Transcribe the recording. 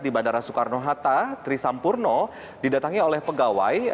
di bandara soekarno hatta trisampurno didatangi oleh pegawai